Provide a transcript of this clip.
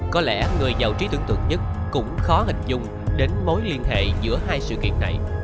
có lẽ người giàu trí tưởng tượng nhất cũng khó hình dung đến mối liên hệ giữa hai sự kiện này